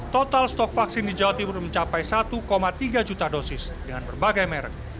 total stok vaksin di jawa timur mencapai satu tiga juta dosis dengan berbagai merek